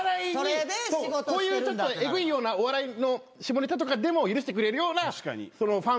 こういうちょっとエグいようなお笑いの下ネタでも許してくれるようなファン。